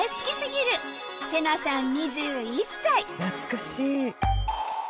懐かしい！